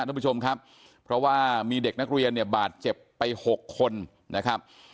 ท่านผู้ชมครับเพราะว่ามีเด็กนักเรียนเนี่ยบาดเจ็บไปหกคนนะครับ